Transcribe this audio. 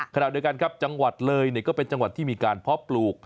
ขณะเดียวกันครับจังหวัดเลยก็เป็นจังหวัดที่มีการเพาะปลูก